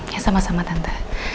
ya sama sama tante